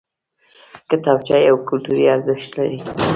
کتابچه یو کلتوري ارزښت لري